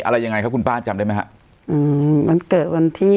อะไรยังไงครับคุณป้าจำได้ไหมฮะอืมมันเกิดวันที่